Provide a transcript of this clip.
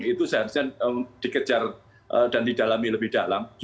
itu seharusnya dikejar dan didalami lebih dalam